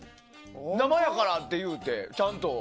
生やからいうて、ちゃんと。